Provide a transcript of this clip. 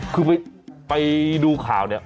คือไปดูข่าวเนี่ย